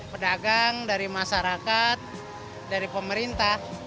pedagang dari masyarakat dari pemerintah